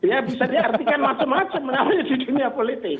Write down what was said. ya bisa diartikan macam macam namanya di dunia politik